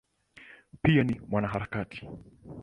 Pia ni mwanaharakati.